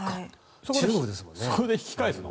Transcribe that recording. そこで引き返すの？